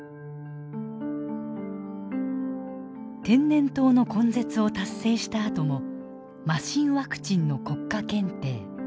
天然痘の根絶を達成したあとも麻疹ワクチンの国家検定